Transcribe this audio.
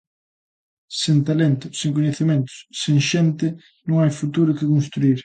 Sen talento, sen coñecementos, sen xente non hai futuro que construír.